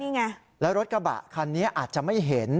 นี่ไงแล้วรถกระบะคันนี้อาจจะไม่เห็น